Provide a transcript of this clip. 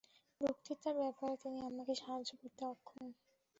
বক্তৃতা-ব্যাপারে তিনি আমাকে সাহায্য করতে অক্ষম।